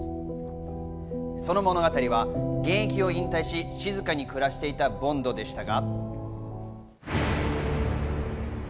その物語は現役を引退し、静かに暮らしていたボンドでしたが。